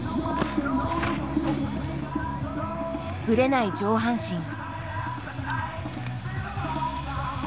ぶれない上半身。